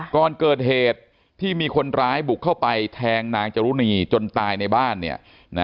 ก่อนเกิดเหตุที่มีคนร้ายบุกเข้าไปแทงนางจรุณีจนตายในบ้านเนี่ย